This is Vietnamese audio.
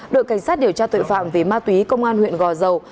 đội cảnh sát điều tra tội phạm về ma túy công an huyện gò dầu